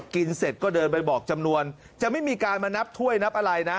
เสร็จก็เดินไปบอกจำนวนจะไม่มีการมานับถ้วยนับอะไรนะ